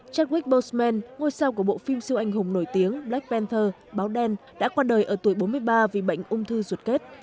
chatwick boseman ngôi sao của bộ phim siêu anh hùng nổi tiếng blackpinter báo đen đã qua đời ở tuổi bốn mươi ba vì bệnh ung thư ruột kết